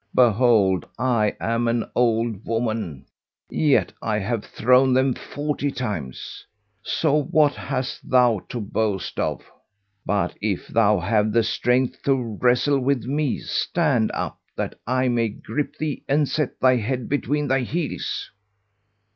Behold I am an old woman, yet have I thrown them forty times! So what hast thou to boast of? But if thou have the strength to wrestle with me, stand up that I may grip thee and set thy head between thy heels!"